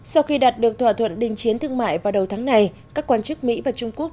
sau khi đạt được thỏa thuận đình chiến thương mại vào đầu tháng này các quan chức mỹ và trung quốc